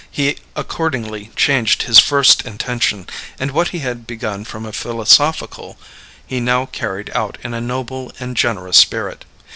He accordingly changed his first intention, and what he had begun from a philosophical he now carried out in a noble and generous spirit.